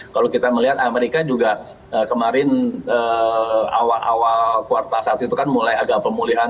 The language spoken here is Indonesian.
kalau kita melihat amerika juga kemarin awal awal very saat itu itu kan mulai ada pemulihan